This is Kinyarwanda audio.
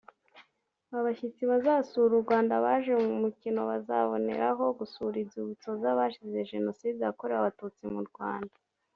Abashyitsi bazasura u Rwanda baje mu mukino bazanaboneraho gusura inzibutso z’abazize jenoside yakorewe abatutsi mu Rwanda